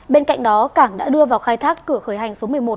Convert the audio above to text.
bên cạnh đó cảng đã đưa vào khai thác cửa khởi hành số một mươi một